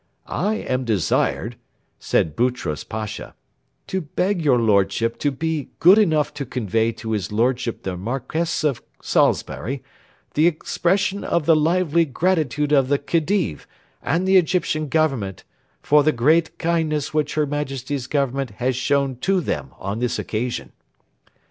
'I am desired,' said Boutros Pasha, 'to beg your lordship to be good enough to convey to his lordship the Marquess of Salisbury the expression of the lively gratitude of the Khedive and the Egyptian Government for the great kindness which her Majesty's Government has shown to them on this occasion.'